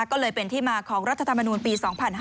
ก็เลยเป็นที่มาของรัฐธรรมนูลปี๒๕๕๙